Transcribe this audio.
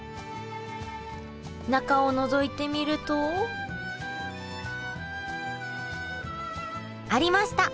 中をのぞいてみるとありました！